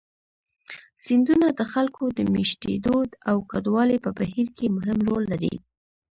سیندونه د خلکو د مېشتېدو او کډوالۍ په بهیر کې مهم رول لري.